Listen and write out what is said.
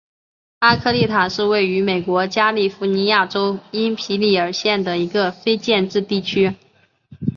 阿科利塔是位于美国加利福尼亚州因皮里尔县的一个非建制地区。